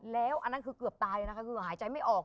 แล้วอันนั้นคือเกือบตายเลยนะคะคือหายใจไม่ออก